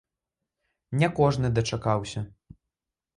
Ня кожны дачакаўся.